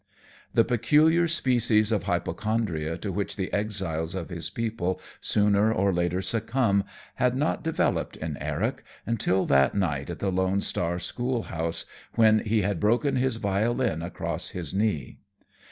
The peculiar species of hypochondria to which the exiles of his people sooner or later succumb had not developed in Eric until that night at the Lone Star schoolhouse, when he had broken his violin across his knee.